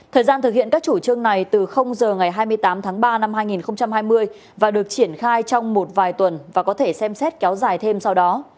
thời gian thực hiện các chủ trương này từ giờ ngày hai mươi tám tháng ba năm hai nghìn hai mươi và được triển khai trong một vài tuần và có thể xem xét kéo dài thêm sau đó